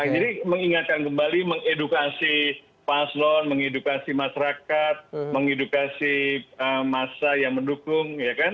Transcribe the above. jadi mengingatkan kembali mengedukasi paslon mengedukasi masyarakat mengedukasi massa yang mendukung